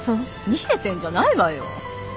逃げてんじゃないわよ。